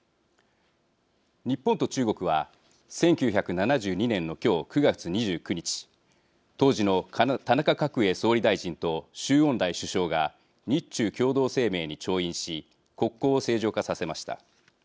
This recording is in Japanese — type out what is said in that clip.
日本と中国は１９７２年の今日９月２９日当時の田中角栄総理大臣と周恩来首相が日中共同声明に調印し国交を正常化させました。